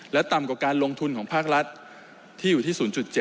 และต่ำกว่าการลงทุนของภาครัฐที่อยู่ที่๐๗